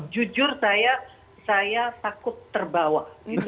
jujur saya takut terbawa